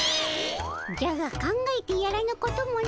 じゃが考えてやらぬこともない。